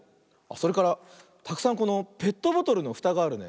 それからたくさんこのペットボトルのふたがあるね。